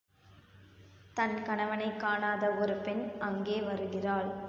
தன் கணவனைக் காணாத ஒரு பெண் அங்கே வருகிறாள்.